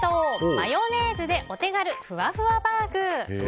マヨネーズでお手軽ふわふわバーグ。